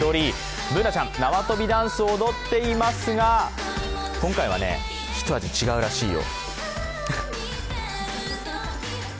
Ｂｏｏｎａちゃん、縄跳びダンスを踊っていますが今回は一味違うらしいよ。